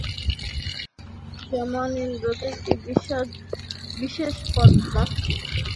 যেমন ইন্দ্রত্ব একটি বিশেষ পদ-মাত্র।